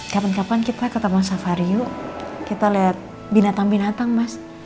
kapan kapan kita ke taman safari yuk kita lihat binatang binatang mas